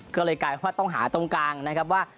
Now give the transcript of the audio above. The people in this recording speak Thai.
ก็เลยกลายเป็นว่าต้องหาตรงกลางนะครับว่า